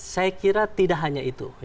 saya kira tidak hanya itu